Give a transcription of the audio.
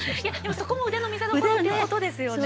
そこも腕の見せどころということですよね。